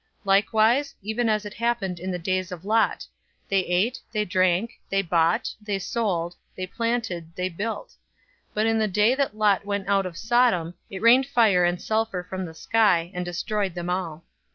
017:028 Likewise, even as it happened in the days of Lot: they ate, they drank, they bought, they sold, they planted, they built; 017:029 but in the day that Lot went out from Sodom, it rained fire and sulfur from the sky, and destroyed them all.